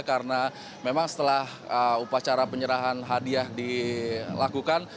karena memang setelah upacara penyerahan hadiah dilakukan